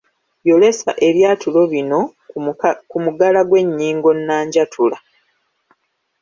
Yolesa ebyatulo bino ku mugala gw’ennyingo nnanjatula.